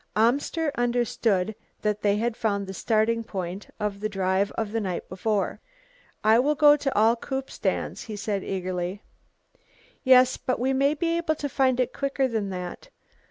Amster understood that they had found the starting point of the drive of the night before. "I will go to all coupe stands," he said eagerly. "Yes, but we may be able to find it quicker than that."